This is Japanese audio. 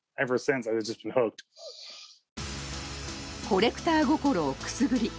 コレクター心をくすぐり